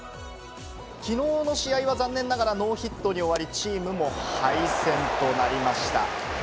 昨日の試合は残念ながらノーヒットに終わり、チームも敗戦となりました。